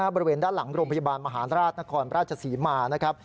บริเวณด้านหลังโรงพยาบาลมหาราชนครราชศรีมานะครับ